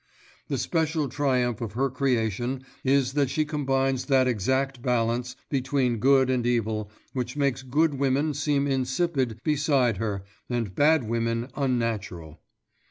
The special triumph of her creation is that she combines that exact balance between good and evil which makes good women seem insipid beside her and bad women unnatural.